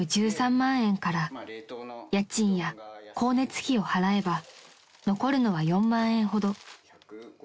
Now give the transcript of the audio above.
１３万円から家賃や光熱費を払えば残るのは４万円ほど］